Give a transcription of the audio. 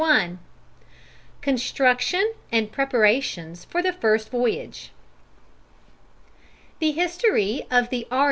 CHAPTER I CONSTRUCTION AND PREPARATIONS FOR THE FIRST VOYAGE The history of the R.